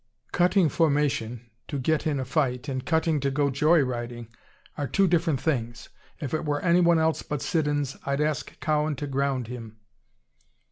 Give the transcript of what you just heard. "Cutting formation to get in a fight and cutting to go joy riding are two different things. If it were anyone else but Siddons I'd ask Cowan to ground him."